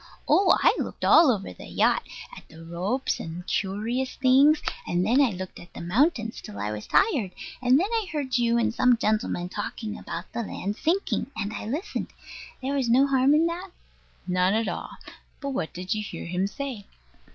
Oh, I looked all over the yacht, at the ropes and curious things; and then I looked at the mountains, till I was tired; and then I heard you and some gentleman talking about the land sinking, and I listened. There was no harm in that? None at all. But what did you hear him say?